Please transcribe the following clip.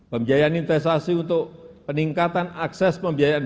pembiayaan investasi untuk peningkatan akses pembiayaan